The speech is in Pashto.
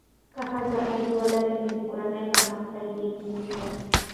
که ښځه عاید ولري، نو د کورنۍ پرمختګ یقیني دی.